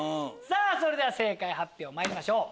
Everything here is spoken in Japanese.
それでは正解発表まいりましょう。